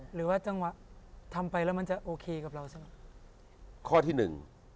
หรือว่าจังหวะทำไปแล้วมันจะโอเคกับเราเสมอข้อที่หนึ่ง